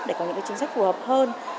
để có những chính sách phù hợp hơn